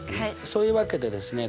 そういうわけでですね